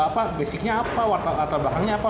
ya orang tau basicnya apa wartawan belakangnya apa